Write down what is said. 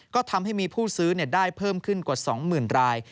ก็ทำให้มีผู้ซื้อได้เพิ่มขึ้นกว่า๒๐๐๐ราย